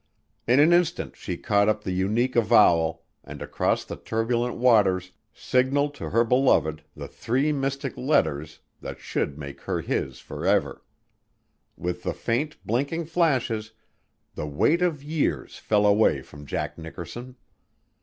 In an instant she caught up the unique avowal, and across the turbulent waters signalled to her beloved the three mystic letters that should make her his forever. With the faint, blinking flashes, the weight of years fell away from Jack Nickerson.